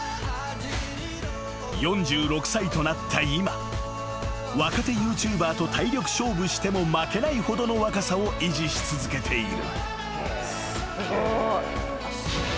［４６歳となった今若手ＹｏｕＴｕｂｅｒと体力勝負しても負けないほどの若さを維持し続けている］